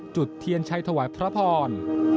จุดเทียนชัยถวายพระพร